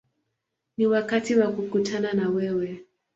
Ni wakati wa kukutana na wewe”.